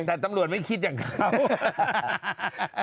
แต่ตำรวจไม่คิดอย่างเขา